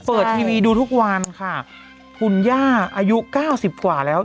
เปิดทีวีดูทุกวันค่ะคุณย่าอายุเก้าสิบกว่าแล้ว